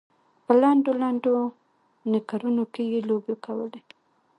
په لنډو لنډو نیکرونو کې یې لوبې کولې.